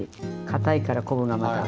かたいから昆布がまだ。